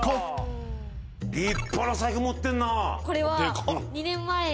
立派な財布持ってんな。